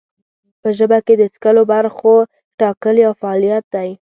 په ژبه کې د څکلو برخو ټاکل یو فعالیت دی.